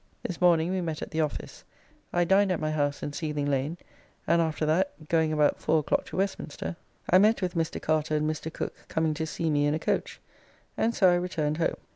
This morning we met at the office: I dined at my house in Seething Lane, and after that, going about 4 o'clock to Westminster, I met with Mr. Carter and Mr. Cooke coming to see me in a coach, and so I returned home.